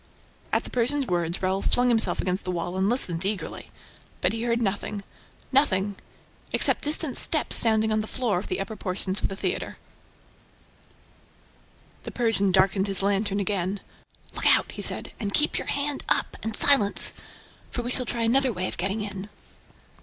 At the Persian's words, Raoul flung himself against the wall and listened eagerly. But he heard nothing ... nothing ... except distant steps sounding on the floor of the upper portions of the theater. The Persian darkened his lantern again. "Look out!" he said. "Keep your hand up! And silence! For we shall try another way of getting in."